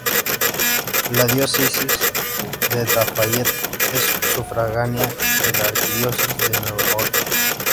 La Diócesis de Lafayette es sufragánea de la Arquidiócesis de Nueva Orleans.